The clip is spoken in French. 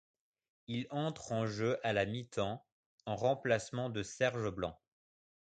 Il entre en jeu à la mi-temps en remplacement de Serge Blanc.